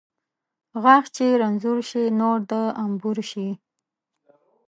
ـ غاښ چې رنځور شي ، نور د انبور شي .